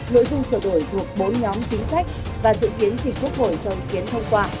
nội dung sửa đổi thuộc bốn nhóm chính sách và dự kiến chỉnh quốc hội trong kiến thông qua